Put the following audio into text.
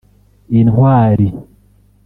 Intwari